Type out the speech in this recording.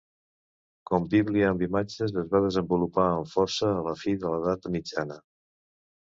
Com Bíblia amb imatges es va desenvolupar amb força a la fi de l'edat mitjana.